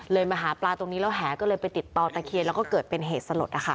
มาหาปลาตรงนี้แล้วแหก็เลยไปติดต่อตะเคียนแล้วก็เกิดเป็นเหตุสลดนะคะ